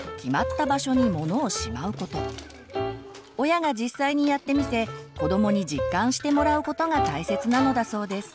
親が実際にやってみせ子どもに実感してもらうことが大切なのだそうです。